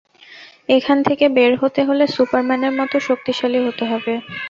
এখান থেকে বের হতে হলে সুপারম্যানের মতো শক্তিশালী হতে হবে।